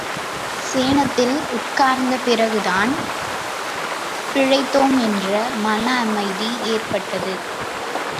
சேணத்தில் உட்கார்ந்த பிறகுதான் பிழைத்தோம் என்ற மன அமைதி ஏற்பட்டது.